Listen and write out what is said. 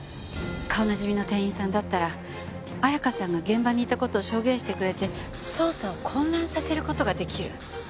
顔なじみの店員さんだったら彩華さんが現場にいた事を証言してくれて捜査を混乱させる事が出来る。